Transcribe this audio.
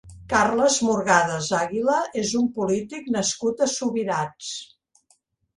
Carles Morgades Àguila és un polític nascut a Subirats.